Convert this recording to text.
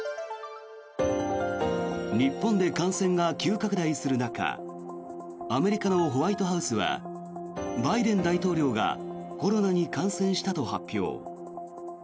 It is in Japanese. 日本で感染が急拡大する中アメリカのホワイトハウスはバイデン大統領がコロナに感染したと発表。